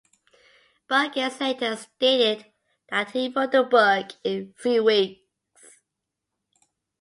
Burgess later stated that he wrote the book in three weeks.